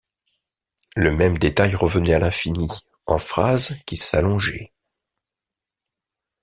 Le même détail revenait à l’infini, en phrases qui s’allongeaient.